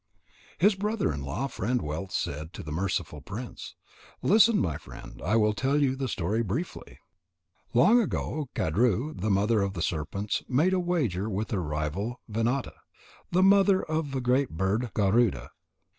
His brother in law Friend wealth said to the merciful prince: "Listen, my friend. I will tell you the story briefly." Long ago Kadru, the mother of the serpents, made a wager with her rival Vinata, the mother of the great bird Garuda.